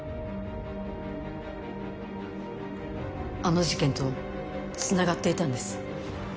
あの事件とつながっていたんです。